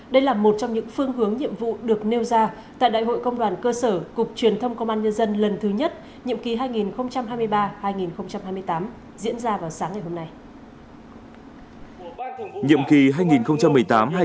đây là một trong những phương hướng nhiệm vụ được nêu ra tại đại hội công đoàn cơ sở cục truyền thông công an nhân dân lần thứ nhất nhiệm kỳ hai nghìn hai mươi ba hai nghìn hai mươi tám diễn ra vào sáng ngày hôm nay